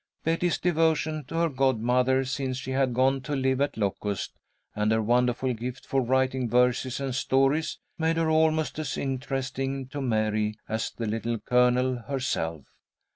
Betty's devotion to her godmother since she had gone to live at Locust, and her wonderful gift for writing verses and stories made her almost as interesting to Mary as the Little Colonel herself.